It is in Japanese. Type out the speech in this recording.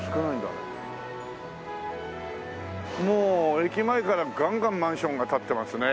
もう駅前からガンガンマンションが立ってますね。